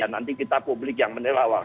nanti kita publik yang menilai